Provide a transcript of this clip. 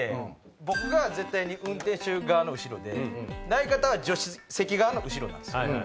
僕が絶対に運転手側の後ろで相方は助手席側の後ろなんですよ。